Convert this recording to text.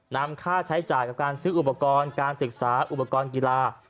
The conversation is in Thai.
นำค่าใช้จ่ายกับการซื้ออุปกรณ์การศึกษาอุปกรณ์กีฬา